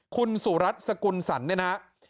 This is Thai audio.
คุณสุรัสสกุลสรรดิ์เนี่ยนะ